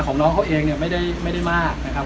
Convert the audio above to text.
น้องเขาเองเนี่ยไม่ได้มากนะครับ